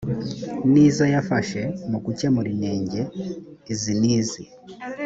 ni izo yafashe mu gukemura inenge izi n’izi